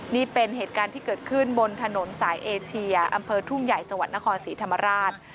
นี่เป็นเหตุการณ์ที่เกิดขึ้นบนถนนสายเอเชียอำเภอทุ่งใหญ่จังหวัดนครศรีธรรมราช